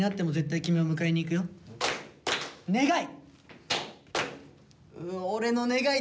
願い。